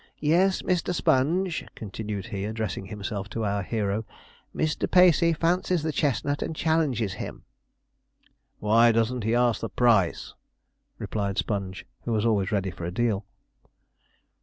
Yes, Mr. Sponge,' continued he, addressing himself to our hero, 'Mr. Pacey fancies the chestnut and challenges him.' 'Why doesn't he ask the price?' replied Sponge, who was always ready for a deal.